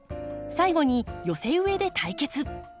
最後に寄せ植えで対決。